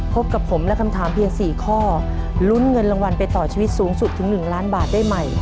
พบกับผมและคำถามเพียง๔ข้อลุ้นเงินรางวัลไปต่อชีวิตสูงสุดถึง๑ล้านบาทได้ใหม่